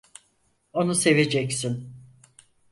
Onu seveceksin.